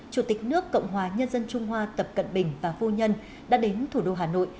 chủ tịch nước cộng hòa nhân dân trung hoa tập cận bình và phu nhân đã đến thủ đô hà nội